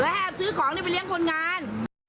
และแหบซื้อของนี่ไปเลี้ยงคนงาน